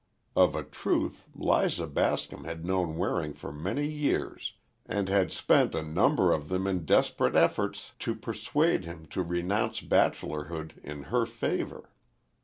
Of a truth, Liza Bascom had known Waring for many years and had spent a number of them in desperate efforts to persuade him to renounce bachelorhood in her favor.